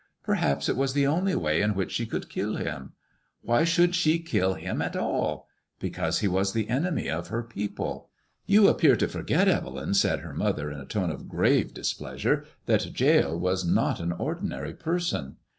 Perhaps it was the only way in which she could kill him." Why should she kill him at all?" Because he was the enemy of her people." ''You appear to forget, Bve 13m/' said her mother, in a tone of grave displeasure, ''that Jael was not an ordinary person."